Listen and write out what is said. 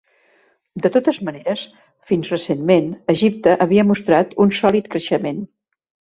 De totes maneres, fins recentment, Egipte havia mostrat un sòlid creixement.